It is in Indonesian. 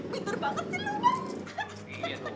bintur banget sih lo bang